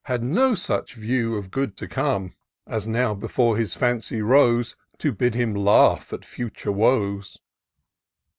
Had no such vievr of good to come. As now before his fancy rose. To bid him laugh at future woes.